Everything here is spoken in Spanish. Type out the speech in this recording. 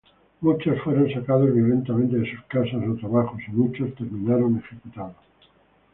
Muchos fueron sacados violentamente de sus casas o trabajos, y muchos terminaron ejecutados.